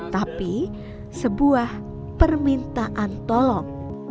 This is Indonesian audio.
tapi sebuah permintaan tolong